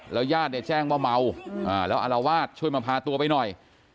แล้วย่างแจ้งว่าเมาแล้วอลาวาดช่วยมาพาตัวไปหน่อย